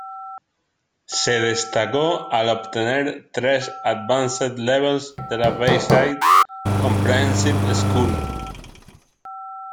Se destacó al obtener tres Advanced Levels de la Bayside Comprehensive School.